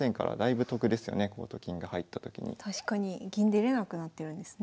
確かに銀出れなくなってるんですね。